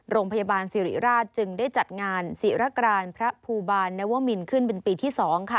โรงพยาบาลสิริราชจึงได้จัดงานศิรกรานพระภูบาลนวมินขึ้นเป็นปีที่๒